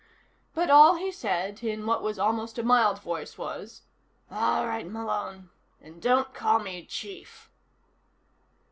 But all he said, in what was almost a mild voice, was: "All right, Malone. And don't call me Chief."